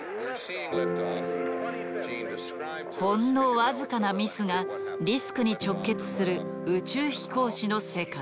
ほんの僅かなミスがリスクに直結する宇宙飛行士の世界。